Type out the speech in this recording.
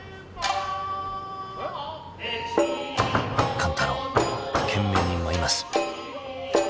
［勘太郎懸命に舞います］